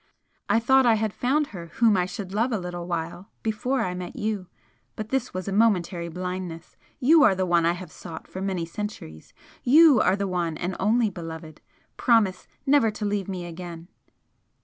I thought I had found her whom I should love a little while before I met you but this was a momentary blindness! YOU are the one I have sought for many centuries! YOU are the one and only beloved! promise never to leave me again!"